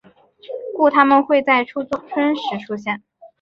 故它们会在初春时出现。